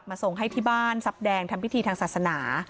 ส่งให้ที่บ้านทรัพย์แดงทำพิธีทางศาสนา